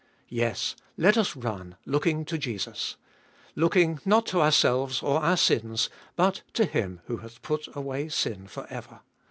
Yes, let us run, looking to Jesus. Looking, not to ourselves or our sins, but to Him who hath put away sin for ever.